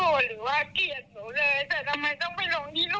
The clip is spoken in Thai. หนูเกลียดเขามากเลยหนูบอกลงตรงเลยทำไมต้องลงกับลูกหนูอย่างนั้น